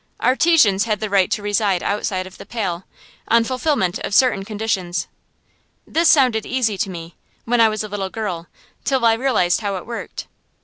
Artisans had the right to reside outside the Pale, on fulfilment of certain conditions. This sounded easy to me, when I was a little girl, till I realized how it worked.